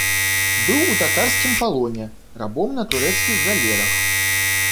Быў у татарскім палоне, рабом на турэцкіх галерах.